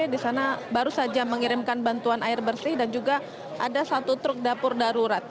di sana baru saja mengirimkan bantuan air bersih dan juga ada satu truk dapur darurat